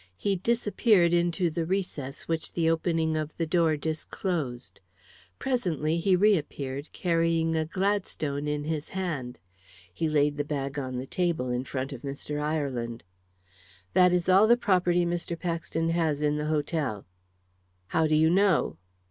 He disappeared into the recess which the opening of the door disclosed. Presently he reappeared carrying a Gladstone in his hand. He laid the bag on the table, in front of Mr. Ireland. "That is all the property Mr. Paxton has in the hotel." "How do you know?"